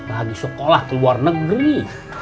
lagi sekolah ke luar negeri